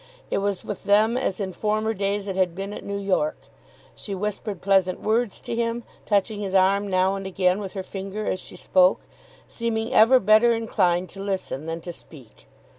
It was with them, as in former days it had been at New York. She whispered pleasant words to him, touching his arm now and again with her finger as she spoke, seeming ever better inclined to listen than to speak.